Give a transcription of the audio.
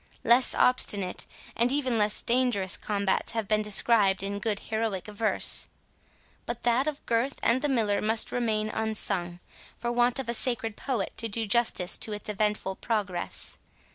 Less obstinate, and even less dangerous combats, have been described in good heroic verse; but that of Gurth and the Miller must remain unsung, for want of a sacred poet to do justice to its eventful progress.